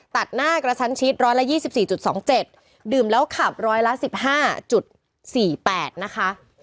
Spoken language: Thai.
ตัดหน้ากระชั้นชิดร้อยละยี่สิบสี่จุดสองเจ็ดดื่มแล้วขับร้อยละสิบห้าจุดสี่แปดนะคะ